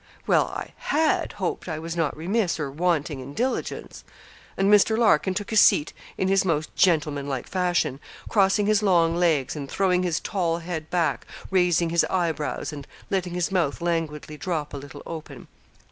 'Well, I had hoped I was not remiss or wanting in diligence.' And Mr. Larkin took his seat in his most gentlemanlike fashion, crossing his long legs, and throwing his tall head back, raising his eyebrows, and letting his mouth languidly drop a little open.